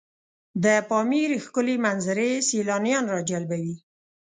د پامیر ښکلي منظرې سیلانیان راجلبوي.